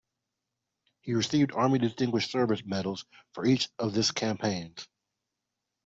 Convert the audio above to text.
He received Army Distinguished Service Medals for each of this campaigns.